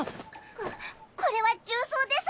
ここれは銃創です！